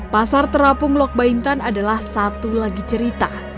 pasar terapung lok baintan adalah satu lagi cerita